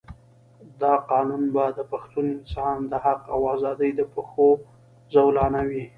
دا قانون به د پښتون انسان د حق او آزادۍ د پښو زولانه وي.